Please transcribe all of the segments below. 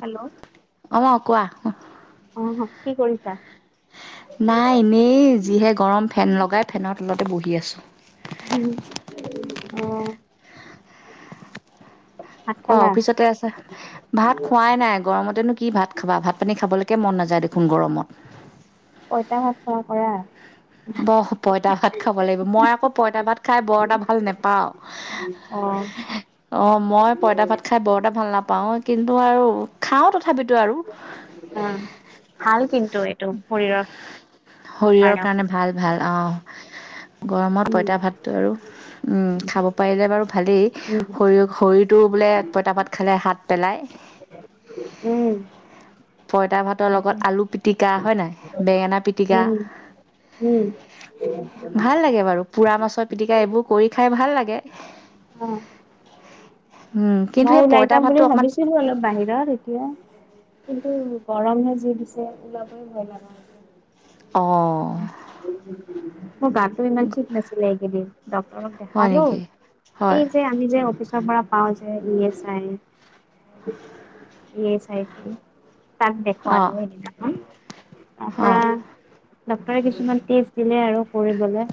Hello অ', মা কোৱা। অ', কি কৰিছা? নাই এনেই যিহে গৰম ফেন লগাই ফেনৰ তলতে বহি আছোঁ। অ', ভাত কোৱা খালা? অফিচতে আছা ভাত খোৱাই নাই গৰমতেনো কি ভাত খাবা, ভাত পানী খাবলৈকে মন নাযায় দেখোন গৰমত। পঁইতা ভাত খোৱা কৰা। বহ পঁইতা ভাত খাব লাগিব, মই আকৌ পঁইতা ভাত খাই বৰ এটা ভাল নোপাওঁ। অ', [inaudible] অ', মই পঁইতা ভাত খাই বৰ এটা ভাল নাপাওঁ, কিন্তু আৰু খাওঁ তথাপিতো আৰু। উম, হাল কিন্ত শৰীৰৰ কাৰণেও। কাৰণে ভাল ভাল অ', গৰমত উম, পঁইতা ভাতটো আৰু উম, খাব পাৰিলে বাৰু ভালেই উম, শৰীৰ শৰীৰটো বোলে পঁইতা ভাত খালে হাত পেলাই উম, পইতা ভাতৰ লগত আলু পিতিকা হয়, নাই বেঙেনা পিতিকা। উম, ভাল লাগে বাৰু, পুৰা মাছৰ পিটিকা এইবোৰ কৰি খাই ভাল লাগে। অ', উম, কিন্তু মই সেই ওলাই পঁইতা যাম ভাতটো বুলি অকণমান ভাবিছি অলপ বাহিৰত এতিয়া কিন্তু গৰমে যি দিছে ওলাবই ভয় লাগা অ'। মই গা ইমান ঠিক নাছিলে, এইকিদিন ডক্টৰক হয় দেখালোঁ নেকি হয় এই যে আমি আমি যে অফিচৰ পৰা পাওঁ যে E S I E S I যে তাক অঁ দেখুৱালোঁ সেদিনাখন অঁ তাৰপৰা ডক্টৰে কিছুমান টেষ্ট দিলে আৰু কৰিবলৈ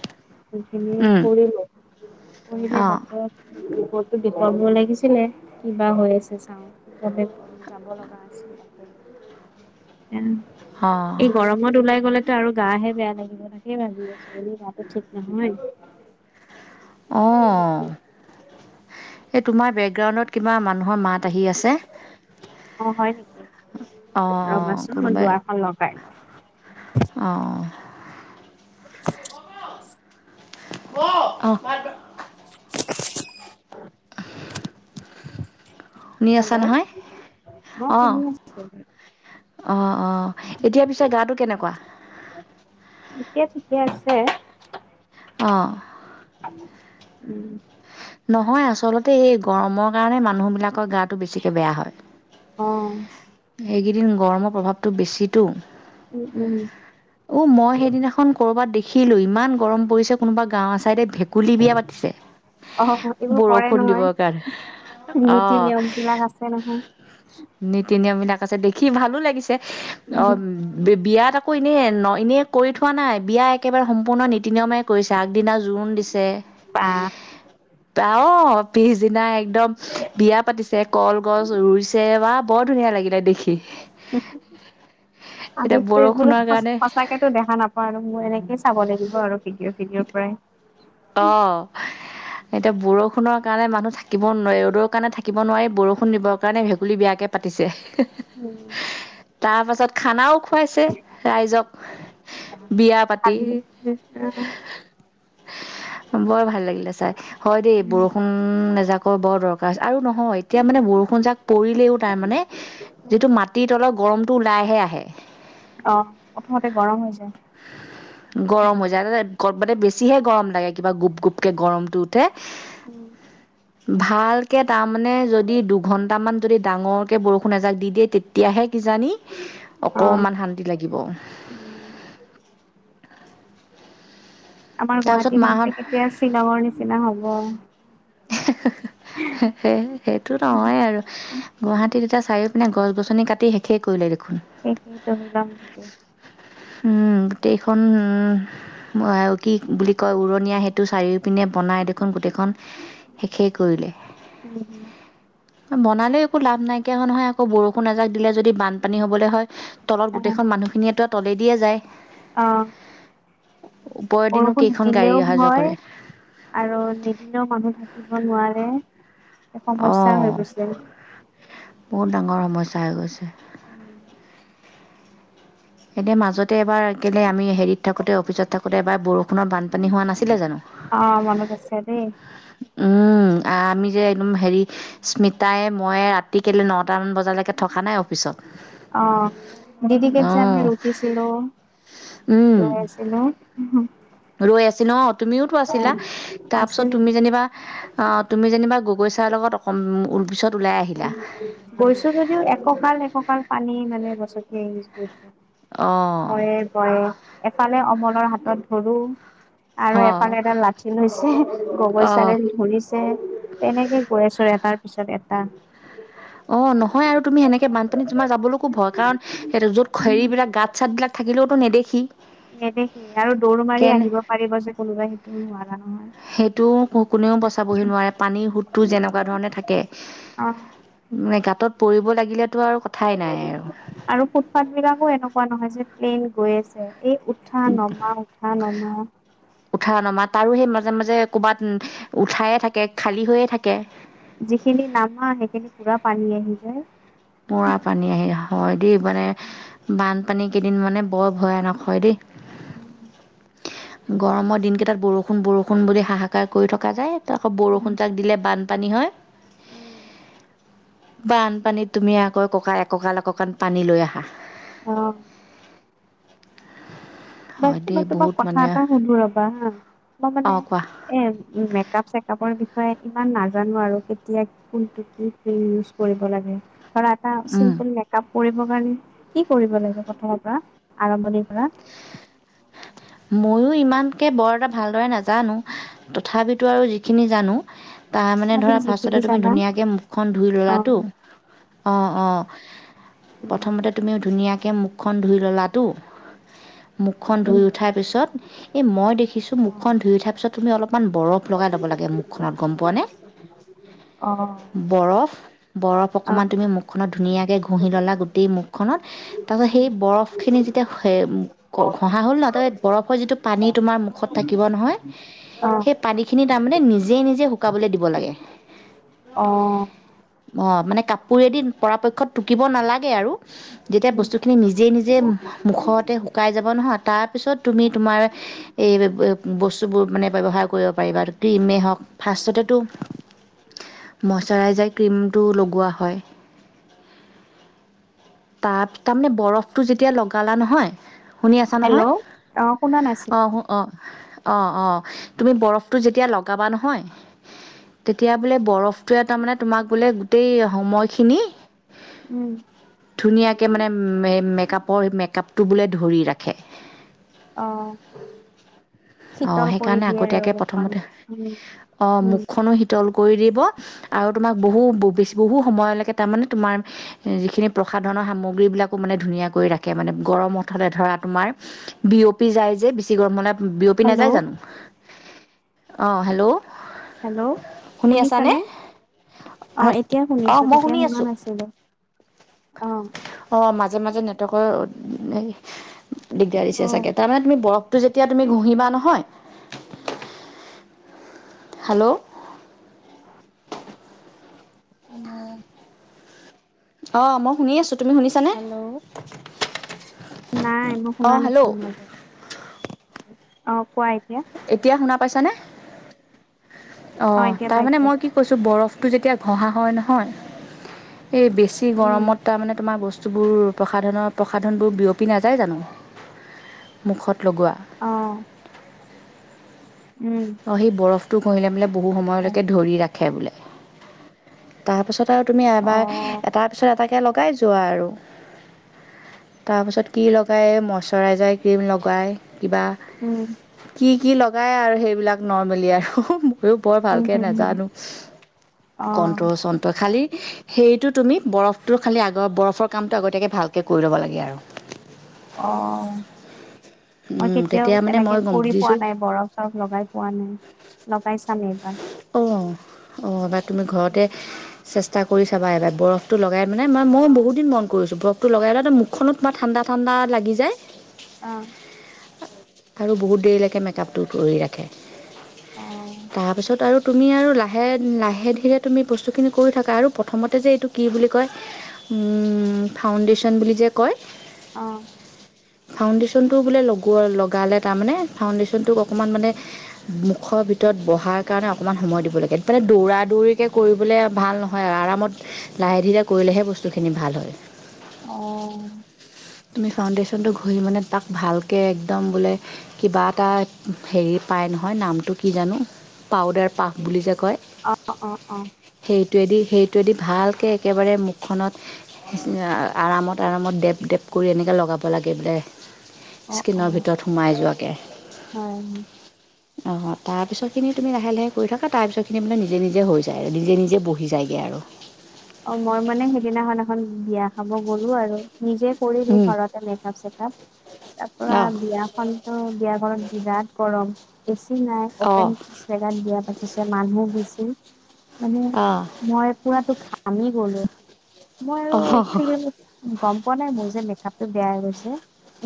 সেখিনি কৰিলোঁ, কৰিলৈ অঁ ডক্টৰক ৰিপৰ্টটো দেখুৱাব লাগিছিলে, কিবা হৈ আছে চাওঁ। গবে যাব লগা আছিল তাতে। অঁ এই গৰমত ওলাই গ'লে আৰু গাহে বেয়া লাগিব তাকে সেই ভাবি আছোঁ, যদি গাটো ঠিক নহয় অ', এই তোমাৰ বেকগ্ৰাউণ্ডত কিবা মানুহৰ মাত আহি আছে! অ', হয় নেকি? অঁ ৰ'বাচোন মই দৰাখন লগাই লওঁ। অ'। [inaudible] [inaudible] [inaudible] শুনি আছা হেল্ল'! নহয় অ', শুনি আছোঁ। অ', অ', এতিয়া পিছে গাটো কেনেকুৱা? এতিয়া ঠিকে আছে। অ'। উম। নহয়, আচলতে এই গৰমৰ কাৰণে মানুহ বিলাকৰ গাটো বেছিকে বেয়া হয়। অ'। এইকিদিন গৰমৰ প্ৰভাৱটো বেছিতো! উম উম অ', মই সেইদিনাখন কৰ'বাত দেখিলোঁ, ইমান গৰম পৰিছে কোনোবা গাঁৱৰ চাইডে ভেক কুলি বিয়া পাতিছে। অ', এইবোৰ কৰে বৰষুণ নহয়, দিবৰ কাৰণে অ নীতি-নিয়ম বিলাক আছে নহয়! নীতি-নিয়মবিলাক আছে, দেখি ভালো লাগিছে, উম। অম্ বি-বিয়াত আকৌ এনেই ন, এনেই কৰি থোৱা নাই, বিয়া একেবাৰে সম্পূৰ্ণ নীতি নিয়মে কৰিছে, আগদিনা জোৰোণ দিছে। বা! অ', পিছদিনা একদম বিয়া পাতিছে, কলগছ ৰুইছে বা বৰ ধুনীয়া লাগিলে দেখি। এতিয়া বৰষুণৰ কাৰণে টো দেখা নাপাওঁ আৰু মোৰ এনেকেই চাব লাগিব আৰু ভিডিঅ চিডিঅৰ পৰাই। অ'। এতিয়া বৰষুণৰ কাৰণে মানুহ থাকিব নোৱাৰি, ৰ'দৰ কাৰণে থাকিব নোৱাৰি বৰষুণ দিবৰ কাৰণে ভেকুলী বিয়াকে পাতিছে। [inaudible] হম। তাৰ পাছত খানাও খুৱাইছে ৰাইজক, বিয়া পাতি। খালি [inaudible] বৰ ভাল লাগিলে চায় হয়, দেই বৰষুণ এজাকৰ‌ বৰ দৰকাৰ আছে, আৰু নহয় এতিয়া মানে বৰষুণজাক পৰিলেও তাৰ মানে যিটো মাটিৰ তলৰ গৰমটো ওলাইহে আহে। অ', প্ৰথমতে গৰম হৈ যায়। গৰম হৈ যায়, [unintelligible] মানে বেছিহে গৰম লাগে, কিবা গুপ, গুপ কে গৰমটো উঠে। উম। ভালকে তাৰমানে যদি দুঘণ্টামান যদি ডাঙৰকে বৰষুণ এজাক দি দিয়ে তেতিয়াহে কিজানি [inaudible] অকণমান শান্তি লাগিব। আমাৰ তাৰপিছত গুৱাহাটীখন মাহত যে কেতিয়া শ্বিলঙৰ নিচিনা হ'ব! [unintelligible] সেইটো নহয় আৰু। গুৱাহাটীত এতিয়া চাৰিও পিনে গছ গছনি কাটি শেষেই কৰিলে দেখোন! একে তহিলং গোটেই! উম, গোটেইখন কি বুলি কয়, উৰণীয়া সেতু, চাৰিও পিনে বনাই দেখোন গোটেইখন শেষেই কৰিলে। বনালেও একো লাভ নাইকিয়া নহয়, আকৌ বৰষুণ এজাক দিলে যদি বানপানী হবলৈ হয় তলত গোটেইখন মানুহখিনিয়েতো‌ তলে দিয়েই যায়। অ'। ওপৰেদিনো বৰষুণ কেইখন গাড়ী দিলেও অহা যোৱা ভয়, কৰে আৰু নিদিলেও মানুহ থাকিব নোৱাৰে। এক সমস্যা অঁ হৈ গৈছে গে। বহুত ডাঙৰ সমস্যা হৈ গৈছে। উম। এতিয়া মাজতে এবাৰ কেলেবআমি হেৰিত থাকোঁতে অফিচত থাকোঁতে এবাৰ বৰষুণত বানপানী হোৱা নাছিলে জানো! অ', মনত আছে দেই। উম, আমি যে একদম হেৰি স্মিতাই মই ৰাতি কেলে নটা মান বজালেকে কে থকা নাই অফিচত দিদিকেত যে আমি অ'। থাকিছিল অ', ৰৈ আছিলে। ৰৈ আছিলোঁ অ', তুমিওতো আছিলা, তাৰপিছত আছিলে তুমি যেনিবা অ', তুমি যেনিবা গগৈ ছাৰৰ লগত অকমান পিছত ওলাই আহিলা। গৈছোঁ যদিও এককাল, এককাল পানী মানে গছকি আহিছোঁ। অঁ ভয়ে, ভয়ে এফালে অমনৰ হাতত ধৰোঁ আৰু অঁ এফালে এডাল লাঠি লৈছে, গগৈ অঁ চাৰে ধৰিছ ছে, তেনেকে গৈ আছোঁ এটাৰ পিছত এটা। অ', নহয় আৰু তুমি সেনেকে বানপানীত তোমাৰ যাবলৈকো ভয় কাৰণ সেইটো য'ত হেৰি বিলাক গাত চাতবিলাক থাকিলেওতো নেদেখি। নেদেখি আৰু দৌৰ মাৰি কেনে আহিব পাৰিব যে কোনোবাই সেইটো নোৱাৰা নহয়। সেইটো কোনেও বচাবহি নোৱাৰে পানীৰ সোঁতটো যেনেকুৱা ধৰণে থাকে। অ মানে গাঁতত পৰিব লাগিলেতো আৰু কথাই নাই আৰু। আৰু ফুটপাথবিলাকো এনেকুৱা নহয় যে প্লেইন গৈ আছে এই উঠা নমা, উঠা নমা। উঠা নমা। তাৰো সেই মাজে, মাজে ক'ৰবাত উঠায়ে থাকে, খালী হৈয়ে থাকে। যিখিনি নামা সেইখিনি পুৰা পানী আহি যায়। [inaudible] পানী আহি হয়, দেই মানে বানপানী কিদিন মানে বৰ ভয়ানক হয়, দেই। [inaudible] গৰমৰ দিনকিটাত বৰষুণ, বৰষুণ বুলি হাহাকাৰ কৰি থকা যায় আকৌ বৰষুণজাক দিলে বানপানী হয়, বানপানীত তুমি আকৌ এককাল, এককাল পানী লৈ আহা। অ'। মই হয় দেই তোমাক বহুত কথা মানে এটা সোধোঁ ৰ'বা হা, মই মানে অঁ কোৱা এ মেকআপ চেকআপৰ বিষয়ে ইমান নাজানো আৰু কেতিয়া কোনটো কি ইউজ কৰিব লাগে। ধৰা এটা উম চিম্পুল মেকআপ কৰিবৰ কাৰণে কি কৰিব লাগে? প্ৰথমৰ পৰা আৰম্ভণিৰ পৰা ময়ো ইমানকে বৰ এটা ভালদৰে নাজানো তথাপিতো আৰু যিখিনি জানো। তাৰ মানে ধৰা তুমি যিখিনি ফাৰ্ষ্টতে তুমি জানা ধুনীয়াকে মুখখন ধুই অ' ললাটো। অঁহ অঁহ উম প্ৰথমতে তুমিও ধুনীয়াকৈ মুখখন ধুই ল'লাতো। খন ধুই উঠাৰ পিছত এ মই দেখিছো মুখখন ধুই উঠা পিছত তুমি অলপমান বৰফ লগাই ল'ব লাগে মুখখনত গম পোৱা নে? অহ। বৰফ বৰফ অকমান তুমি মুখখনত ধুনীয়াকে ঘঁহি ল'লা গোটেই মুখখনত। তাৰ পাছত সেই বৰফ খিনি যেতিয়া ঘহা হ'ল নাহ বৰফৰ যিটো পানী তোমাৰ মুখত থাকিব নহয়। অ' সেই পানীখিনি তাৰমানে নিজে নিজে শুকাবলৈ দিব লাগে। অ' অ' মানে কাপোৰে দি পৰাপক্ষত টুকিব নালাগে আৰু। যেতিয়া বস্তুখিনি নিজেই নিজে মুখতে শুকাই যাব নহয়৷ তাৰপিছত তুমি তোমাৰ এই বস্তুবোৰ মানে ব্যৱহাৰ কৰিব পাৰিবা আৰু ক্ৰীমেই হওক। ফাৰ্ষ্টততেটো মষ্টৰাইজাৰ ক্ৰীমটো লগোৱা হয়। তাত তাৰমানে বৰফটো যেতিয়া লগালা নহয়৷ শুনি আছা? নহয়, হেল্ল' অ' শুনা নাছিল অ'। অঁ, অঁ, অঁ, তুমি বৰফটো যেতিয়া লগাবা নহয়। তেতিয়া বোলে বৰফটোৱে তাৰমানে তোমাক বোলে গোটেই সময়খিনি উম। ধুনীয়াকে মানে মেকআপৰ, মেকআপটো বোলে ধৰি ৰাখে। অ, অঁ শিতল কৰি সেইকাৰণে দিয়ে আৰু আগতীয়াকৈ মুখখন, প্ৰথমতে উম। অ, উম মুখখনো শীতল কৰি দিব। আৰু তোমাক বহু বেছি, বহু সময়লৈকে তাৰমানে তোমাৰ যিখিনি প্ৰসাধনৰ সামগ্ৰীবিলাকো মানে ধুনীয়াকৈ ৰাখে মানে গৰমত ধৰা তোমাৰ বিয়পি যায় যে, বেছি গৰম হলে, বিয়পি হেল্ল' নাযায় জানো? অঁ, হেল্ল'। হেল্ল', শুনি আছানে শুনিছানে? অঁ, এতিয়া অ শুনিছোঁ মই তেতিয়া শুনি শুনা আছো নাছিলো, অঁ। অ, মাজে মাজে নেটৱৰ্কৰ দিগদাৰ দিছে অ চাগে তাৰ মানে তুমি বৰফ ত, যেতিয়া তুমি ঘঁহিবা নহয়, হেল্ল'। হেল্ল। অ, মই শুনি আছো তুমি শুনিছানে? হেল্ল' নাই, মই অ শুনা হেল্ল' নাছিলো মাজত, অ, কোৱা এতিয়া এতিয়া শুনা পাইছানে, অ, এতিয়া তাৰমানানে পাইছে মই কি কৈছোঁ বৰফটো যেতিয়া ঘঁহা হয় নহয় এই বেছি উম গৰমত তাৰমানে তোমাৰ বস্তুবোৰ প্ৰসাধনৰ প্ৰসাধনবোৰ বিয়পি নাযায় জানো? মুখত লগোৱা। অ উম। অঁ, সেই বৰফটো ঘহিলে বোলে বহু সময়লৈকে ধৰি ৰাখে বোলে। তাৰপিছত আৰু তুমি অ এবাৰ এটাৰ পিছত এটাকে লগাই যোৱা আৰু। তাৰপাছত কি লগাই মইশ্বৰাইজাৰ ক্ৰীম লগায় কিবা। উম। কি, কি লগাই আৰু সেইবিলাক নৰ্মেলি আৰু। মইও, বৰ উম ভালকে হুম হুম নাজানো, অ কন্তৰ চন্ত্ৰৰ খালি সেইটো তুমি বৰফটোৰ খালি আগৰ বৰফৰ কামটো আগতীয়াকৈ ভালকৈ কৰি ল'ব লাগে আৰু। অ, মই উম, কেতিয়াও তেতিয়া মানে মই এনেকে গম কৰি পোৱা বুজিছোঁ নাই বৰফ চব লগাই পোৱা নাই, লগাই চাম এইবাৰ। অ', অ', নাই তুমি ঘৰতে চেষ্টা কৰি চাবা এবাৰ বৰফ টো, লগাই মানে মই, মই অ বহুত দিন মন কৰিছোঁ বৰফটো লগাই মুখখনো ঠাণ্ডা, ঠাণ্ডা লাগি যায়। অ'। আৰু বহুত দেৰিলেকে মেকআপটো কৰি ৰাখে, তাৰপিছত আৰু তুমি আৰু লাহে, লাহে ধীৰে তুমি বস্তুখিনি কৰি থাকা আৰু প্ৰথমতে যে এইটো কি বুলি কয় উম, ফাউণ্ডেশ্যন বুলি যে কয়! অ'। ফাউণ্ডেশ্যনটো বোলে লগোৱা, লগালে তাৰমানে ফাউণ্ডেশ্যনটোক অকণমান মানে মুখৰ ভিতৰত বহাৰ কাৰণে অকণমান সময় দিব লাগে মানে দৌৰা, দৌৰিকৈ কৰিবলে ভাল নহয়, আৰামত লাহে ধীৰে, কৰিলেহে বস্তুখিনি ভাল হয়। অ'। তুমি ফাউণ্ডেশ্যনটো ঘঁহি মানে তাক ভালকৈ একদম বোলে কিবা এটা হেৰি পায় নহয় নামটো কি জানো পাউদাৰ পাফ, বুলি যে কয়! অ', অ', অ'। সেইটোৱেদি, সেইটোৱেদি ভালকৈ একেবাৰে মুখখনত আৰামত, আৰামত ডেপ, ডেপ কৰি এনেকে লগাব লাগে বোলে। অ', অ', স্ক্ৰীনৰ ভিতৰত সোমাই যোৱাকে। হয়। অ', তাৰপিছৰখিনি তুমি লাহে, লাহে কৰি থাকা, তাৰপিছৰখিনি মানে নিজে, নিজে হৈ যায় আৰু নিজে, নিজে বহি যায়গৈ আৰু। অ', মই মানে সিদিনাখন এখন বিয়া খাব গ'লো আৰু। নিজে কৰিলোঁ ঘৰতে মেকআপ-চেকাপ, তাৰপা অঁ বিয়াখন বিয়া ঘৰত বিৰাট গৰম, এ চি নাই। অপেন অঁ জেগাত বিয়া পাতিছে, মানুহ বেছি মানে অঁ মই পুৰাতো ঘা ঘামি গ'লো মই আৰু অঁ ফেমিলি গম পোৱা নাই, মোৰ যে মেকআপটো বেয়া হৈ গৈছে।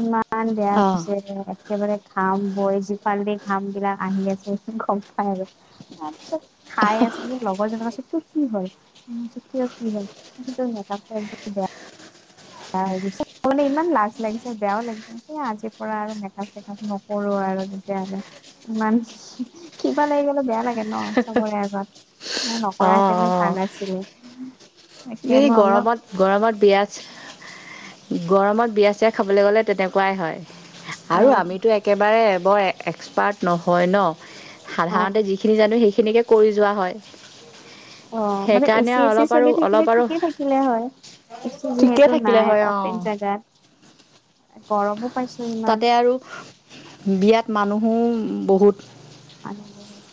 ইমান বেয়া অঁ হৈছে একেবাৰে ঘাম বৈ আছে, সিফাল দি ঘামবিলাক আহি আছে, গম পায় আৰু। তাৰপিছত খাই আছিলোঁ যে, লগৰজনে কৈছে তোৰ কি হ'ল? মই কৈছোঁ কিয় কি হ'ল, কৈছে তোৰ মেকআপটো একদম বেয়া বেয়া হৈ গৈছে, মানে ইমান লাজ লাগিছে, বেয়াও লাগিছে। সেয়া আজিৰ পৰা আৰু মেকআপ চেকাপ নকৰো আৰু তেতিয়াহ'লে। ইমান, কিবা লাগিবলে বেয়া লা গে ন চবৰে আগত, অঁ নকৰাহেতেনো ভাল অঁ আছিলে! তাকে এই মই বোলো গৰমত গৰমত বিয়াত, গৰমত বিয়া ছিয়া খাবলে গ'লে তেনেকুৱাই হয়। আৰু অ', আমিতো একেবাৰে বৰ এক্সপাৰ্ট নহয় ন! অ'। সাধাৰণতে যিখিনি জানো সেইখিনিকে কৰি যোৱা হয়। অ', মানে এ সেইকাৰণে চি এ চি অলপ আৰু চলি থা কিলে অলপ আৰু ঠিকেই থাকিলে হয়, এ চি ঠিকে যিহেতু থাকিলে নাই হয় অপেন অঁ জাগা। গৰমো তাতে আৰু বিয়াত মানুহো বহুত। মানুহ বহুত,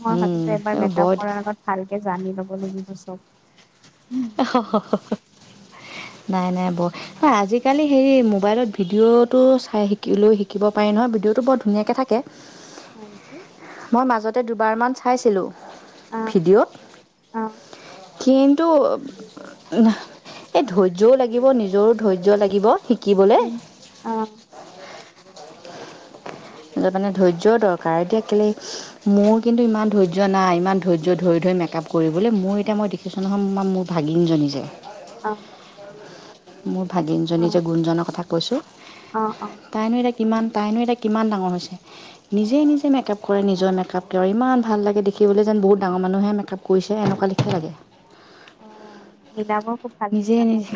মই উম ভাবিছোঁ এইবাৰ এই মেকআপ বৰ কৰাৰ আগত ভালকে জানি ল'ব লাগিব চব। [unintelligible] নাই নাই ব ঐ আজিকালি হেৰি মোবাইলত ভিডিঅ'টো চাই শিকি লৈ শিকিব পাৰি নহয়, ভিডিঅ'টো বৰ ধুনীয়াকৈ থাকে। হয় নেকি? মই মাজত তে দুবাৰমান চাইছিলোঁ, অ', ভিডি'অত অ', কিন্তু এই ধৈৰ্য্যও লাগিব নিজৰো ধৈৰ্য্য লাগিব, শিকিবলে। উম, অ', মানে ধৈৰ্য্যৰ দৰকাৰ এতিয়া কেলে মোৰ কিন্তু ইমান ধৈৰ্য্য নাই ইমান ধৈৰ্য্য ধৰি ধৰি মেকআপ কৰিবলৈ, মই এতিয়া মই টিশ্যনখন মোৰ ভাগিনজনী যে অ', মোৰ ভাগিনজনী অ', যে গুণজনৰ কথা কৈছোঁ অ', অ', তাইনো এতিয়া কিমান তাইনো এতিয়া কিমান ডাঙৰ হৈছে? নিজে নিজে মেকআপ কৰে নিজৰ মেকআপকটো, ইমান ভাল লাগে দেখিবলৈ যেন বহুত ডাঙৰ মানুহে মেকআপ কৈছে এনেকুৱা লিখিব লাগে অ মিলাব খুব ভালকৈ নিজে জানে। নিজে